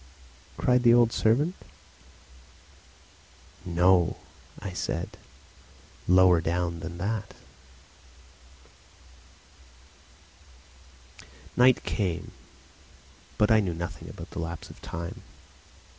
cried the old servant. "No," I said. "Lower down than that." Night came. But I knew nothing about the lapse of time.